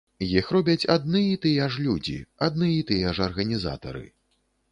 Іх робяць адны і тыя ж людзі, адны і тыя ж арганізатары.